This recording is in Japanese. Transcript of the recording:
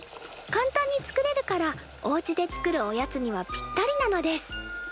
簡単に作れるからおうちで作るおやつにはぴったりなのです。